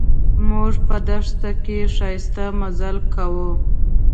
موږ په دښته کې ښایسته مزل کاوه.